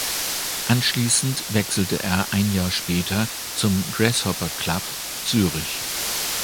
Anschliessend wechselte er ein Jahr später zum Grasshopper Club Zürich.